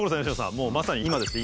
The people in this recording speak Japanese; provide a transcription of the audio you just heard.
もうまさに今ですね